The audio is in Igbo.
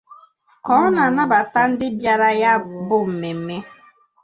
Ka ọ na-anabata ndị bịara ya bụ mmemme